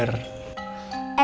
sikmat yang dikira